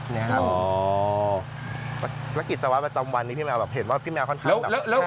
แล้วกิจกรรมประจำวันนี้พี่แมวเห็นว่าพี่แมวค่อนข้าง